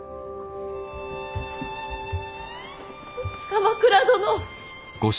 鎌倉殿。